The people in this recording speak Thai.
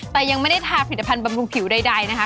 แต่ยังไม่ได้ทาผลิตภัณฑ์บำรุงผิวใดนะคะ